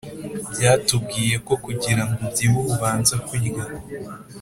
batubwiye ko kugira ngo ubyibuha ubanza kurya